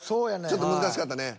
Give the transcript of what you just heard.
ちょっと難しかったね。